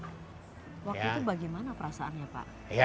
waktu itu bagaimana perasaannya pak